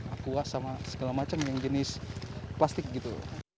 aquas sama segala macam yang jenis plastik gitu